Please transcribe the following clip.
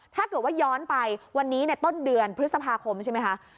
ถ้าเกิดว่าย้อนไปวันนี้ต้นเดือนพฤษภาคมใช่ไหมคะ